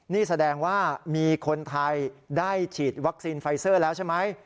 นี่แสดงว่ามีคนไทยได้ฉีดวัคซีนไฟเซอร์แล้วใช่ไหม